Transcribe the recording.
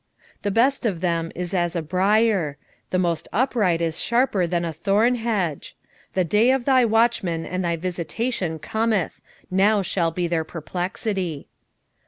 7:4 The best of them is as a brier: the most upright is sharper than a thorn hedge: the day of thy watchmen and thy visitation cometh; now shall be their perplexity.